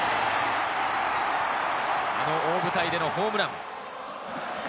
あの大舞台でのホームラン。